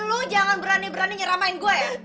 lu jangan berani berani nyeramain gue